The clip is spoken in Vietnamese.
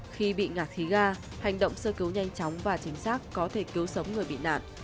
khi bị ngạt khí ga hành động sơ cứu nhanh chóng và chính xác có thể cứu sống người bị nạn